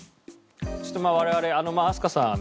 ちょっと我々飛鳥さんはね